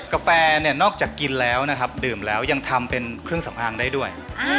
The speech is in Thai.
กาแฟนอกจากกินแล้วดื่มแล้วยังทำเป็นเครื่องสำหางได้ด้วย